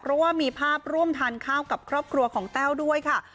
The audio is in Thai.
เพราะว่ามีภาพร่วมทานข้าวกับครอบครัวของแต้วด้วยค่ะ